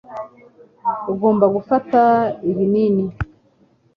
Ugomba gufata ibinini